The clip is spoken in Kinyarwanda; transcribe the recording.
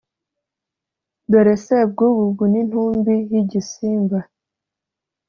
dore sebwugugu n' intumbi y' igisimba